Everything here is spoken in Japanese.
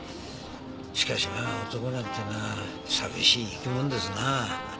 しかしまあ男なんてのは寂しい生き物ですなあ。